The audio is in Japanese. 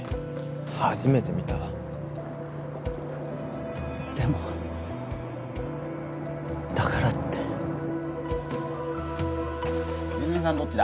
初めて見たでもだからってネズミさんどっちだ？